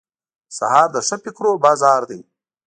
سهار د ښه فکرونو بازار دی.